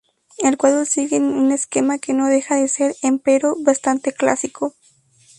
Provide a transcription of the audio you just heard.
El cuadro sigue un esquema que no deja de ser, empero, bastante clásico.